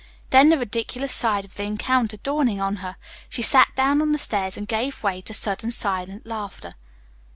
Then the ridiculous side of the encounter dawning on her, she sat down on the stairs and gave way to sudden silent laughter.